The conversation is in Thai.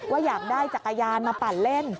อยากได้จักรยานมาปั่นเล่น